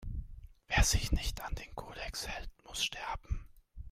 Wer sich nicht an den Kodex hält, muss sterben